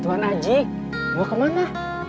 tuan aji mau ke mana